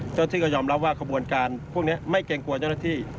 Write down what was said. เจ้าที่ก็ยอมรับว่าขบวนการพวกนี้ไม่เกรงกลัวเจ้าหน้าที่